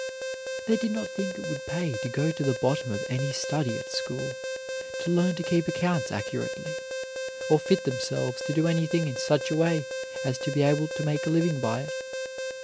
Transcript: They did not think it would pay to go to the bottom of any study at school, to learn to keep accounts accurately, or fit themselves to do anything in such a way as to be able to make a living by it.